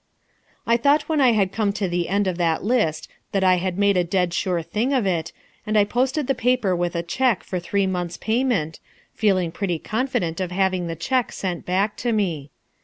I thought when I had come to the end of that list that I had made a dead sure thing of it, and I posted the paper with a cheque for three months' payment, feeling pretty confident of having the cheque sent back to me.